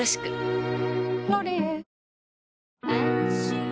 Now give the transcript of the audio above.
「ロリエ」